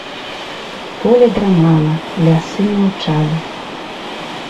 Поле драмала, лясы маўчалі.